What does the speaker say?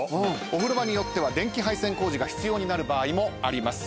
お風呂場によっては電気配線工事が必要になる場合もあります。